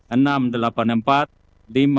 enam delapan empat lima nol lima